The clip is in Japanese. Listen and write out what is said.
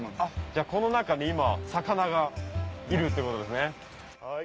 じゃあこの中に今魚がいるってことですね。